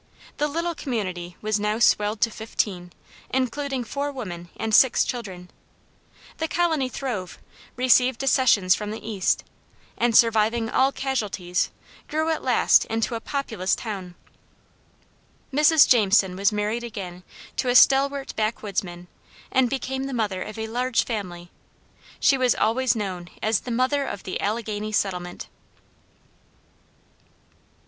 The little community was now swelled to fifteen, including four women and six children. The colony throve, received accessions from the East, and, surviving all casualties, grew at last into a populous town. Mrs. Jameson was married again to a stalwart backwoodsman and became the mother of a large family. She was always known as the "Mother of the Alleghany Settlement."